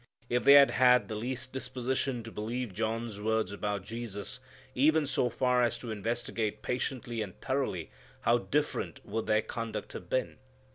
If they had had the least disposition to believe John's words about Jesus, even so far as to investigate patiently and thoroughly, how different would their conduct have been!